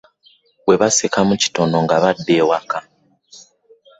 Bwe basekamu kitono nga badda eka.